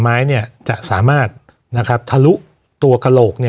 วันนี้แม่ช่วยเงินมากกว่า